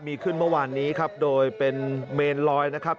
มีขึ้นเมื่อวานนี้ครับโดยเป็นเมนลอยนะครับ